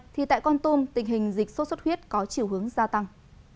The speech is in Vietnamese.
thì tại con tôm tình hình dịch sốt xuất huyết có chiều hướng gia tăng